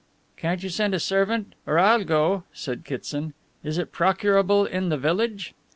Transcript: "Can't you send a servant or I'll go," said Kitson. "Is it procurable in the village?"